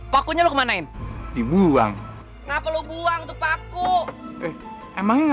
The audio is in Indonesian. pokoknya kemanain dibuang ngapain lu buang tuh paku emangnya